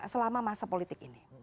selama masa politik ini